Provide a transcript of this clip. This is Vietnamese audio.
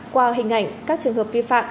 qua hình ảnh các trường hợp vi phạm